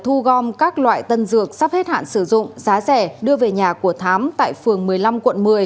thu gom các loại tân dược sắp hết hạn sử dụng giá rẻ đưa về nhà của thám tại phường một mươi năm quận một mươi